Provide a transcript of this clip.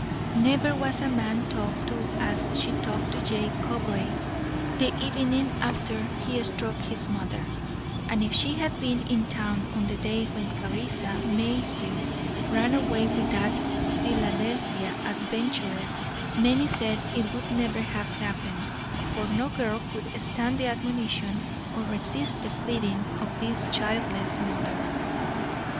Never was a man talked to as she talked to Jake Cobleigh the evening after he struck his mother, and if she had been in town on the day when Clarissa Mayhew ran away with that Philadelphia adventurer many said it would never have happened, for no girl could stand the admonition, or resist the pleading, of this childless mother.